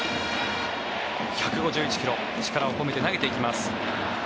１５１ｋｍ力を込めて投げていきます。